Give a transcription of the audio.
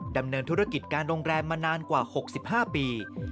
ดำเนินธุรกิจการโรงแรมมานานกว่า๖๕ปี